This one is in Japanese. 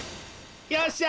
よっしゃ！